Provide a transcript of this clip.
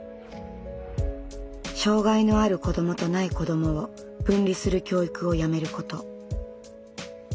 障害のある子どもとない子どもを分離する教育をやめること。